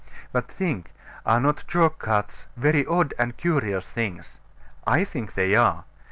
But think are not chalk carts very odd and curious things? I think they are.